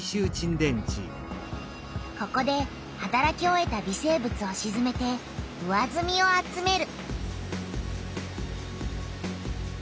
ここではたらき終えた微生物をしずめて上ずみを集める。